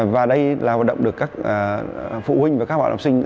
và đây là hoạt động được các phụ huynh và các bạn học sinh